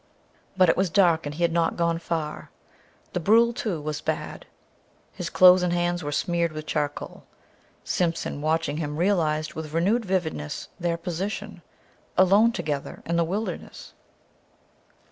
But it was dark and he had not gone far. The brulé, too, was bad. His clothes and hands were smeared with charcoal. Simpson, watching him, realized with renewed vividness their position alone together in the wilderness.